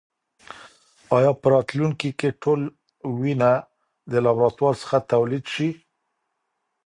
ایا په راتلونکې کې ټول وینه د لابراتوار څخه تولید شي؟